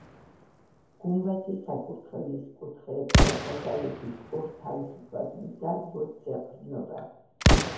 გუმბათი საკურთხევლის კუთხეებს და დასავლეთის ორ თავისუფლად მდგარ ბოძს ეყრდნობა.